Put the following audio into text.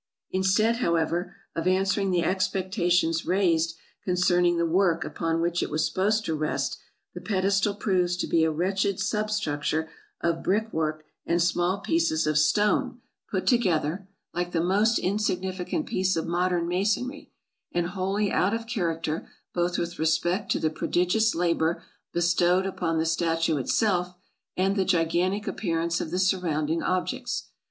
Instead, however, of answer ing the expectations raised concerning the work upon which it was supposed to rest, the pedestal proves to be a wretched substructure of brick work and small pieces of stone put to AFRICA 359 gether, like the most insignificant piece of modern masonry, and wholly out of character both with respect to the pro digious labor bestowed upon the statue itself, and the gigan tic appearance of the surrounding objects.